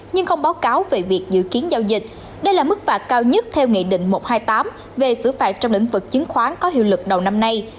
nhưng không báo cáo về việc dự kiến giao dịch đây là mức phạt cao nhất theo nghị định một trăm hai mươi tám về xử phạt trong lĩnh vực chứng khoán có hiệu lực đầu năm nay